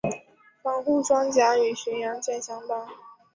防护装甲与巡洋舰相当。